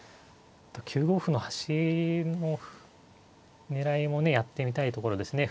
９五歩の端の狙いもねやってみたいところですね。